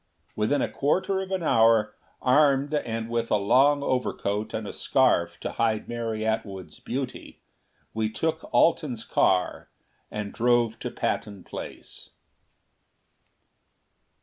Within a quarter of an hour, armed and with a long overcoat and a scarf to hide Mary Atwood's beauty, we took Alten's car and drove to Patton Place.